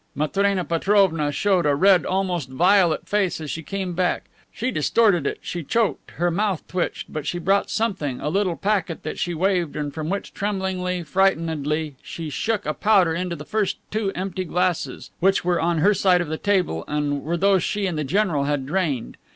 Matrena Petrovna showed a red, almost violet face as she came back; she distorted it, she choked, her mouth twitched, but she brought something, a little packet that she waved, and from which, trembling frightenedly, she shook a powder into the first two empty glasses, which were on her side of the table and were those she and the general had drained.